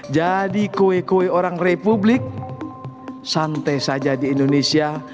jadi kue kue orang republik santai saja di indonesia